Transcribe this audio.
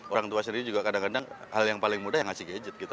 orang tua sendiri juga kadang kadang hal yang paling mudah yang ngasih gadget gitu